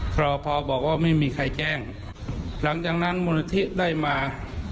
เคราะห์พอบอกว่าไม่มีใครแจ้งหลังจากนั้นมุนที่ได้มา